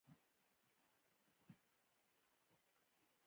خوب د زړونو ترمنځ تړون ته قوت ورکوي